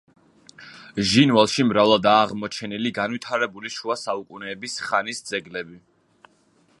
ჟინვალში მრავლადაა აღმოჩენილი განვითარებული შუა საუკუნეების ხანის ძეგლები.